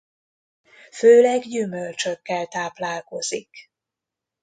Főleg gyümölcsökkel táplálkozik.